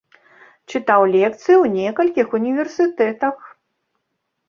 Чытаў лекцыі ў некалькіх універсітэтах.